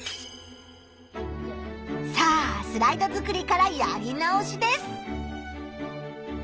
さあスライド作りからやり直しです。